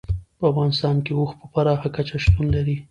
په افغانستان کې اوښ په پراخه کچه شتون لري.